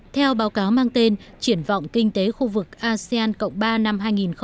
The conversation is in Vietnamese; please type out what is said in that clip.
theo báo cáo mang tên triển vọng kinh tế khu vực asean cộng ba năm hai nghìn hai mươi